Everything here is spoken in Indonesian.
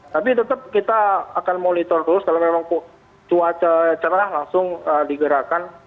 tapi tetap kita akan monitor terus kalau memang cuaca cerah langsung digerakkan